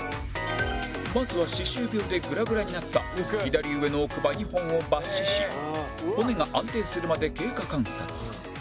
まずは歯周病でグラグラになった左上の奥歯２本を抜歯し骨が安定するまで経過観察